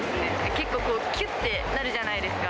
結構、きゅってなるじゃないですか。